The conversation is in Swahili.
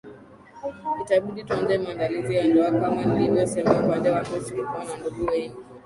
Itabidi tuanze maandalizi ya ndoakama nilivosema upande wangu sitokuwa na ndugu wengi